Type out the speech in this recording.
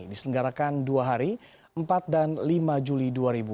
diselenggarakan dua hari empat dan lima juli dua ribu dua puluh